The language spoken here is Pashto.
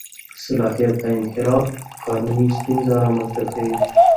د صلاحیت انحراف قانوني ستونزه رامنځته کوي.